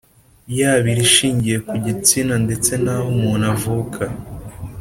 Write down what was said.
yaba irishingiye ku gitsina ndetse n’aho umuntu avuka